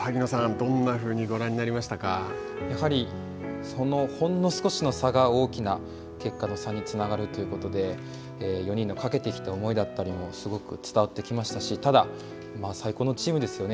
どんなふうにやはり、ほんの少しの差が大きな結果と差につながるということで４人のかけてきた思いだったりもすごく伝わってきましたしただ、最高のチームですよね。